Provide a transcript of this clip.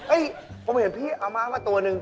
เอ้ยผมเห็นพี่เอามาก็ตัวหนึ่ง